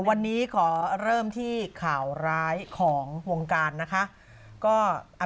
วันนี้ขอเริ่มที่ข่าวร้ายของวงการนะคะ